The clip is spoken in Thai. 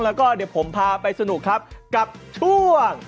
แล้วก็เดี๋ยวผมพาไปสนุกครับกับช่วง